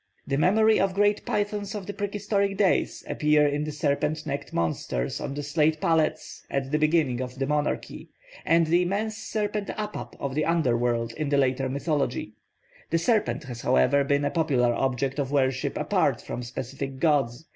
The memory of great pythons of the prehistoric days appears in the serpent necked monsters on the slate palettes at the beginning of the monarchy, and the immense serpent Apap of the underworld in the later mythology. The serpent has however been a popular object of worship apart from specific gods.